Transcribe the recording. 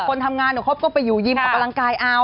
แต่คนทำงานหนูคบก็ไปอยู่ยิบออกกำลังกายอ้าว